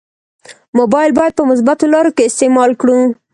مبایل باید په مثبتو لارو کې استعمال کړو.